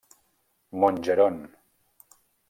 Montgeron.